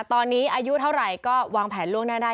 ตอนนี้อายุเท่าไหร่ก็วางแผนล่วงหน้าได้